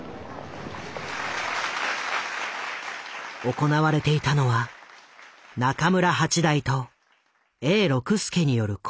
行われていたのは中村八大と永六輔によるコンサート。